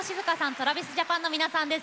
ＴｒａｖｉｓＪａｐａｎの皆さんです。